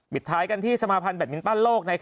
ปิดท้ายกันที่สมาธารแบทมินต้านโลก